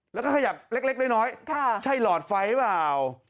แล้วก็ขยับเล็กน้อยใช่หลอดไฟหรือเปล่า